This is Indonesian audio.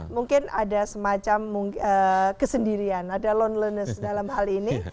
mungkin ada semacam kesendirian ada loneliness dalam hal ini